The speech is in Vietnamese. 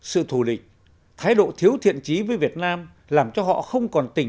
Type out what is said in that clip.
sự thù địch thái độ thiếu thiện trí với việt nam làm cho họ không còn tự nhiên